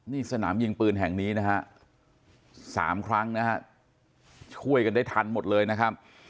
นี่สนามยิงปืนแห่งนี้นะฮะ๓ครั้งนะฮะช่วยกันได้ทันหมดเลยนะครับ